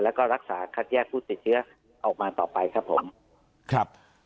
แล้วก็รักษาคัดแยกผู้ติดเชื้อออกมาต่อไปครับผมครับ